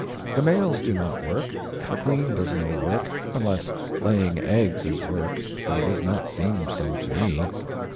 The males do not work, the queen does no work, unless laying eggs is work, but it does not seem so to me.